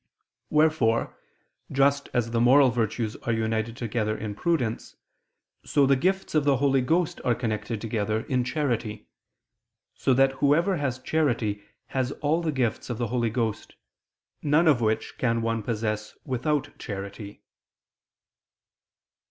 Wherefore, just as the moral virtues are united together in prudence, so the gifts of the Holy Ghost are connected together in charity: so that whoever has charity has all the gifts of the Holy Ghost, none of which can one possess without charity.